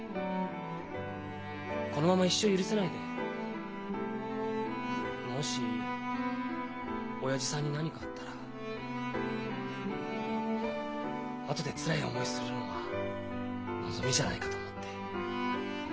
このまま一生許せないでもし親父さんに何かあったらあとでつらい思いするのはのぞみじゃないかと思って。